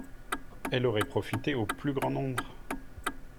Elle aurait profité au plus grand nombre